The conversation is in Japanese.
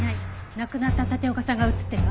亡くなった立岡さんが映ってるわ。